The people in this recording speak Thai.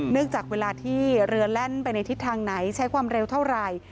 จากเวลาที่เรือแล่นไปในทิศทางไหนใช้ความเร็วเท่าไหร่